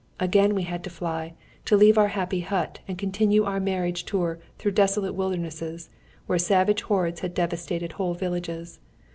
Again we had to fly, to leave our happy hut, and continue our marriage tour through desolate wildernesses, where savage hordes had devastated whole villages.